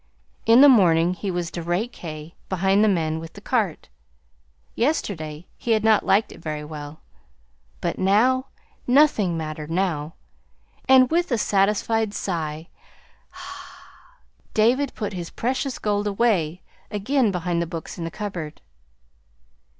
In the morning he was to rake hay behind the men with the cart. Yesterday he had not liked it very well; but now nothing mattered now. And with a satisfied sigh David put his precious gold away again behind the books in the cupboard.